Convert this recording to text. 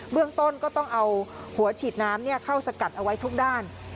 เรื่องต้นก็ต้องเอาหัวฉีดน้ำเข้าสกัดเอาไว้ทุกด้าน